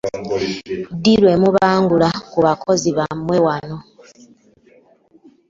Ddi lwe mubangula ku bakozi bammwe wano.